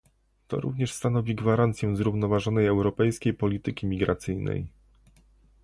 To również stanowi gwarancję zrównoważonej europejskiej polityki migracyjnej